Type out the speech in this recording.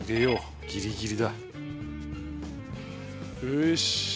よし。